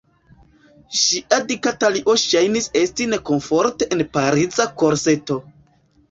Ŝia dika talio ŝajnis esti nekomforte en Pariza korseto.